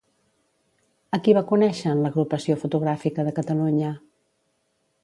A qui va conèixer en l'Agrupació Fotogràfica de Catalunya?